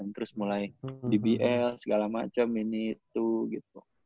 terus mulai dbl segala macam ini itu gitu